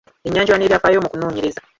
Ennyanjula n’ebyafaayo mu kunoonyereza.